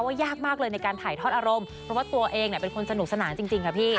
ยากมากเลยในการถ่ายทอดอารมณ์เพราะว่าตัวเองเป็นคนสนุกสนานจริงค่ะพี่